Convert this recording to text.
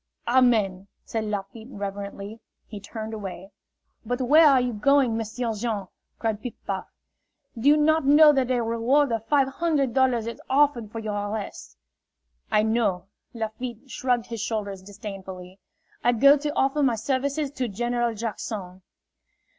"Amen!" said Lafitte, reverently. He turned away. "But where are you going, M'sieu' Jean?" cried Piff Paff. "Do you not know that a reward of five hundred dollars is offered for your arrest?" "I know." Lafitte shrugged his shoulders disdainfully. "I go to offer my services to General Jackson."